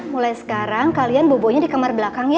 mulai sekarang kalian bobo nya di kamar belakang ya